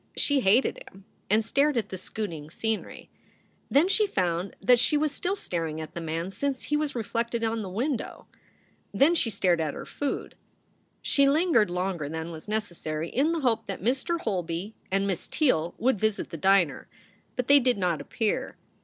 She hated him and stared at the scooting scenery. Then she found that she was still staring at the man since he was reflected on the window. Then she stared at her food. She lingered longer than was necessary in the hope that Mr. Holby and Miss Teele would visit the diner, but they did not appear.